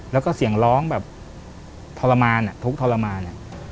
แล้วก็เสียงร้องแบบทรมานทุกข์ทรมาน